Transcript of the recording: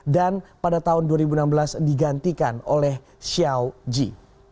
dan pada tahun dua ribu enam belas digantikan oleh xiao ji